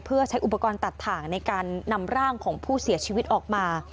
เพื่อใช้อุปกรณ์ตัดถ่างในการนำร่างของผู้เสียชีวิตออกมา